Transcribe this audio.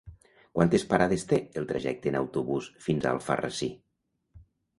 Quantes parades té el trajecte en autobús fins a Alfarrasí?